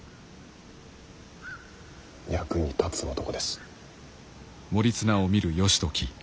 役に立つ男です。